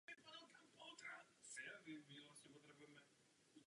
Během druhé světové války byla loď několikrát modernizována a nasazena do bojů na Dunaji.